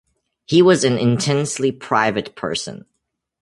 He was an intensely private person.